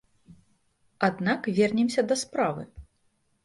Аднак вернемся да справы.